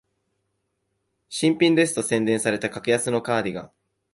新品ですと宣伝された格安のカーディガン